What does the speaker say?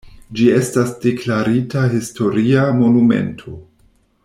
Ĝi estas deklarita historia monumento.